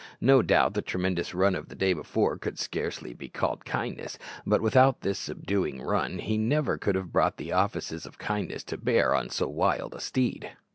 No doubt the tremendous run of the day before could scarcely be called kindness, but without this subduing run he never could have brought the offices of kindness to bear on so wild a steed.